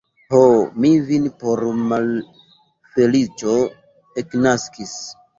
Ho, mi vin por malfeliĉo eknaskis.